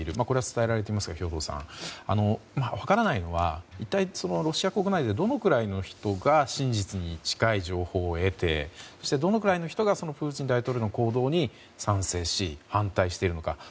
これは伝えられていますが兵頭さん、分からないのは一体、ロシア国内でどのくらいの人が真実に近い情報を得てそしてどのくらいの人がプーチン大統領の行動に賛成し、反対しているのか。